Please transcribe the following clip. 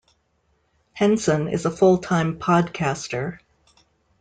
Henson is a full-time podcaster.